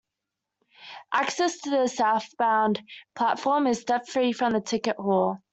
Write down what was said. Access to the southbound platform is step-free from the ticket hall.